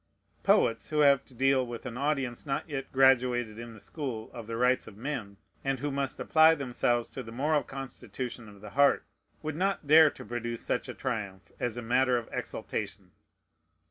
Poets who have to deal with an audience not yet graduated in the school of the rights of men, and who must apply themselves to the moral constitution of the heart, would not dare to produce such a triumph as a matter of exultation.